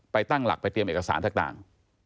ตั้งหลักไปเตรียมเอกสารต่าง